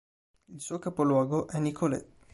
Il suo capoluogo è Nicolet.